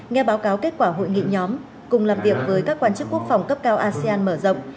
nghe báo cáo kết quả hội nghị nhóm cùng làm việc với các quan chức quốc phòng cấp cao asean mở rộng